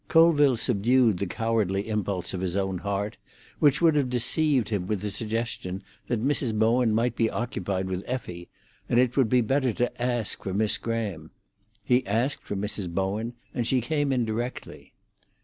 Colville subdued the cowardly impulse of his own heart, which would have deceived him with the suggestion that Mrs. Bowen might be occupied with Effie, and it would be better to ask for Miss Graham. He asked for Mrs. Bowen, and she came in directly.